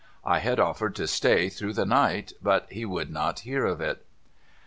I had offered to stay through the night, but he would not hear of it.